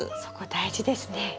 そこ大事ですね。